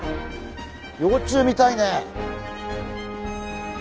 幼虫見たいね。